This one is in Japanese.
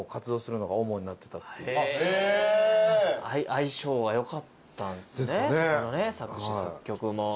相性は良かったんですね作詞作曲も。